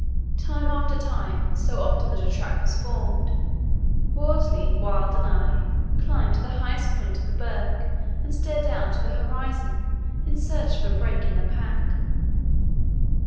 Time after time, so often that a track was formed, Worsley, Wild, and I, climbed to the highest point of the berg and stared out to the horizon in search of a break in the pack.